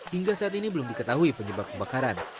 hingga saat ini belum diketahui penyebab kebakaran